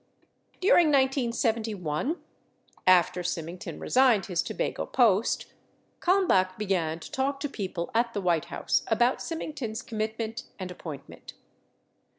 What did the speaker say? During 1971, after Symington resigned his Tobago post, Kalmbach began to talk to people at the White House about Symington's commit ment and appointment.